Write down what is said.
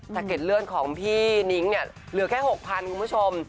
เก็ดเลือดของพี่นิ้งเนี่ยเหลือแค่๖๐๐คุณผู้ชม